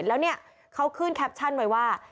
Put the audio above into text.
แล้วเนี่ยเขาขึ้นแคปชั่นไว้ว่า